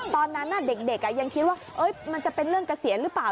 ตอนนั้นเด็กยังคิดว่ามันจะเป็นเรื่องเกษียณหรือเปล่า